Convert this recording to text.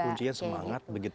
jadi kuncinya semangat begitu ya